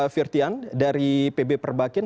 firtian dari pb perbakin